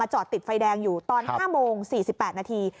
จอดติดไฟแดงอยู่ตอน๕โมง๔๘นาที